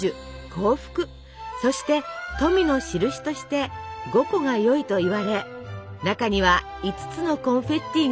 幸福そして富のしるしとして５個がよいといわれ中には５つのコンフェッティが入っています。